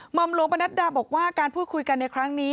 หมอมหลวงปนัดดาบอกว่าการพูดคุยกันในครั้งนี้